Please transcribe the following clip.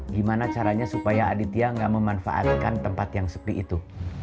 gimana caranya supaya aditya gak memanfaatkan tempat yang sepi itu